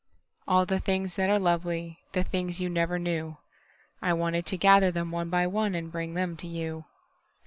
All the things that are lovely—The things you never knew—I wanted to gather them one by oneAnd bring them to you.